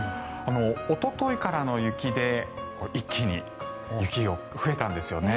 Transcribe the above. おとといからの雪で一気に雪が増えたんですよね。